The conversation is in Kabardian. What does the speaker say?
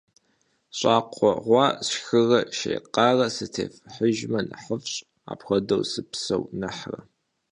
Щӏакхъуэ гъуа сшхырэ шей къарэ сытефыхьыжмэ нэхъыфӏщ, апхуэдэу сыпсэу нэхърэ.